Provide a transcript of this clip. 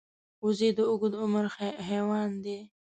وزې د اوږد عمر حیوان دی